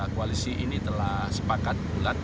koalisi ini telah sepakat bulat